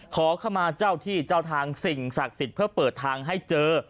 ขอเข้ามาเจ้าที่เจ้าทางสิ่งศักดิ์สิทธิ์เพื่อเปิดทางให้เจอ